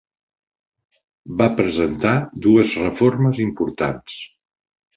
Va presentar dues reformes importants.